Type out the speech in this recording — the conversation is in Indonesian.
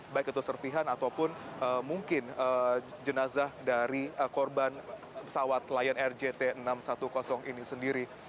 baik itu serpihan ataupun mungkin jenazah dari korban pesawat lion air jt enam ratus sepuluh ini sendiri